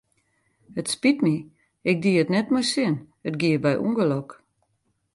It spyt my, ik die it net mei sin, it gie by ûngelok.